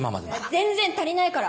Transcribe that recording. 全然足りないから！